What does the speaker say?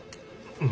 うん。